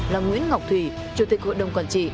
là nguyễn ngọc thùy chủ tịch hội đồng quản trị